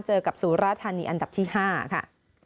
เจอกับสุราธานีอันดับที่๕ค่ะ